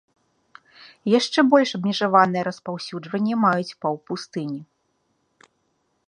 Яшчэ больш абмежаванае распаўсюджванне маюць паўпустыні.